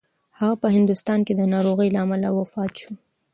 هغه په هندوستان کې د ناروغۍ له امله وفات شو.